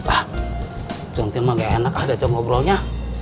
ah cintin mah nggak enak ada cenggol grolnya